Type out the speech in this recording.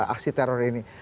aksi teror ini